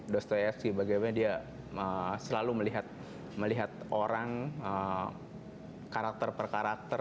dostoevsky bagaimana dia selalu melihat orang karakter per karakter